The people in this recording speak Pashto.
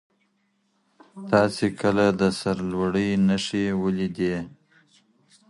تاسي کله د سرلوړي نښي وليدې؟